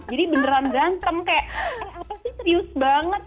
jadi beneran berantem kayak eh aku sih serius banget